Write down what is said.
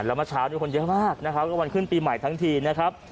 แล้วเมื่อเช้านี้คนเยอะมากนะครับก็วันขึ้นปีใหม่ทั้งทีนะครับ